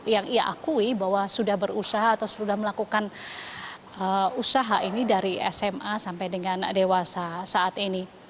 yang ia akui bahwa sudah berusaha atau sudah melakukan usaha ini dari sma sampai dengan dewasa saat ini